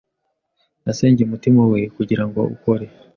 Nasengeye umutima wekugirango ukore